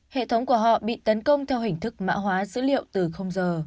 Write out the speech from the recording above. hệ thống của họ bị tấn công theo hình thức mã hóa dữ liệu từ giờ